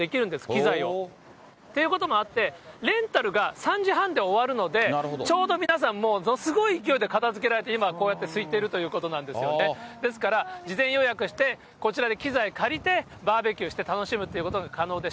機材が。っていうこともあって、レンタルが３時半で終わるので、ちょうど皆さんもう、ものすごい勢いで片づけられて、ですから、事前予約して、こちらで機材借りてバーベキューして楽しむということが可能です。